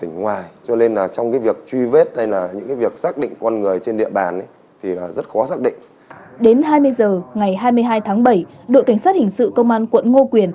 đến hai mươi h ngày hai mươi hai tháng bảy đội cảnh sát hình sự công an quận ngo quyền đã xác định là đối tượng quang chính thức số mération catégory